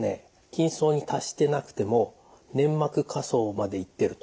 筋層に達してなくても粘膜下層までいってると。